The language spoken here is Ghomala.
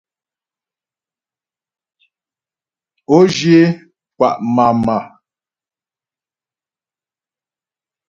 Ǒ zhyə é kwà' màmà.